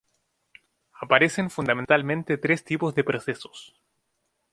Aparecen fundamentalmente tres tipos de procesos.